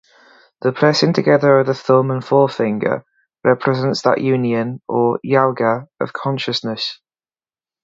The pressing together of the thumb and forefinger represents that union-or "yoga"-of consciousness.